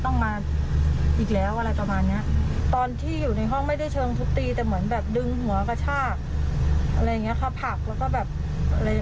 เธอบอกเออเดี๋ยวกูจะมาแน่เดี๋ยวคุณมาแน่เย็น